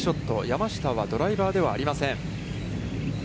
山下はドライバーではありません。